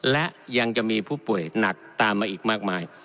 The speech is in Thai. และยังจะมีผู้ป่วยหนักตามมาอีกมากมาย